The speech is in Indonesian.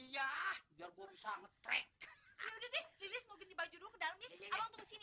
yaudah deh lili semoga ganti baju dulu ke dalam ya